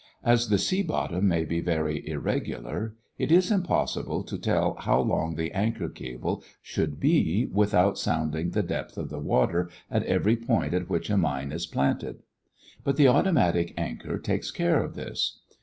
As the sea bottom may be very irregular, it is impossible to tell how long the anchor cable should be without sounding the depth of the water at every point at which a mine is planted. But the automatic anchor takes care of this.